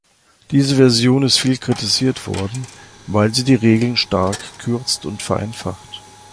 Diese Version ist viel kritisiert worden, weil sie die Regeln stark kürzt und vereinfacht.